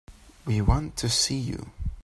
We want to see you.